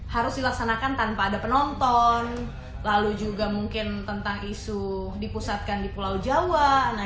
harus dilaksanakan tanpa ada penonton lalu juga mungkin tentang isu dipusatkan di pulau jawa